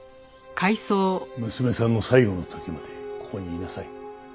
娘さんの最期の時までここにいなさい。